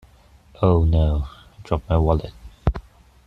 Oh No! I dropped my wallet!